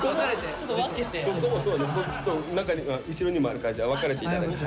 ちょっと中に後ろにもあるからじゃあ分かれて頂いて。